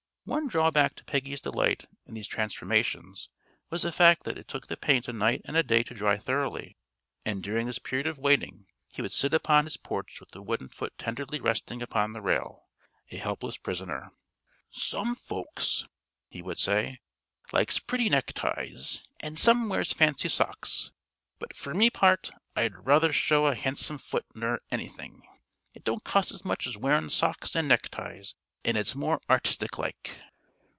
One drawback to Peggy's delight in these transformations was the fact that it took the paint a night and a day to dry thoroughly, and during this period of waiting he would sit upon his porch with the wooden foot tenderly resting upon the rail a helpless prisoner. "Some folks," he would say, "likes pretty neckties; an' some wears fancy socks; but fer my part I'd ruther show a han'some foot ner anything. It don't cost as much as wearin' socks an' neckties, an' it's more artistic like."